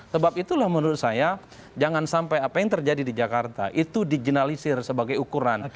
sebab itulah menurut saya jangan sampai apa yang terjadi di jakarta itu diginalisir sebagai ukuran